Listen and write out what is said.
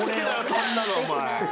そんなのお前俺を